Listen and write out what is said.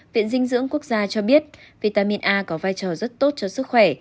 viện dinh dưỡng quốc gia cho biết vitamin a có vai trò rất tốt cho sức khỏe